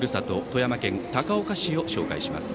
富山県高岡市を紹介します。